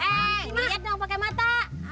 eh lihat dong pakai mata